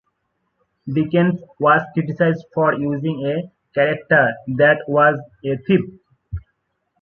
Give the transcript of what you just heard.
Dickens was criticized for using a character that was a thief.